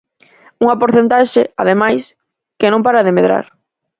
Unha porcentaxe, ademais, que non para de medrar.